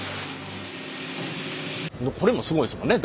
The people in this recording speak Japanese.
これもすごいですもんね。